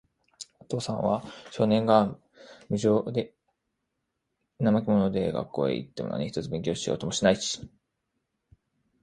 お父さんは、少年が、無精で、怠け者で、学校へいっても何一つ勉強しようともしないし、